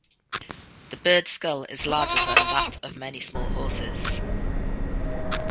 The bird's skull is larger than that of many small horses.